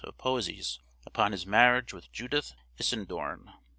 of poesies, upon his marriage with Judith Isendoorn.